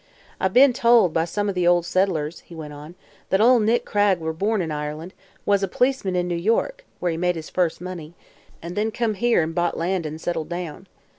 "I be'n told, by some o' the ol' settlers," he went on, "thet ol' Nick Cragg were born in Ireland, was a policeman in New York where he made his first money an' then come here an' bought land an' settled down.